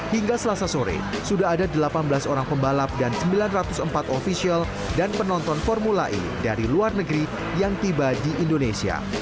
hingga selasa sore sudah ada delapan belas orang pembalap dan sembilan ratus empat ofisial dan penonton formula e dari luar negeri yang tiba di indonesia